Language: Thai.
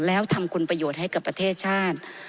แล้วทำคุณประโยชน์ให้กับประเทศชาติ